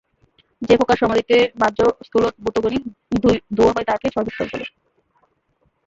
যে প্রকার সমাধিতে বাহ্য স্থূল ভূতগণই ধ্যেয় হয়, তাহাকে সবিতর্ক বলে।